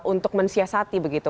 untuk mensiasati begitu